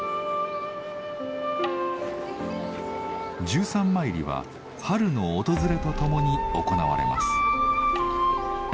十三まいりは春の訪れと共に行われます。